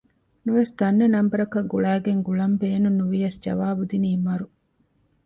ނުވެސް ދަންނަ ނަންބަރަކަށް ގުޅައިން ގުޅަން ބޭނުން ނުވިޔަސް ޖަވާބު ދިނީ މަރު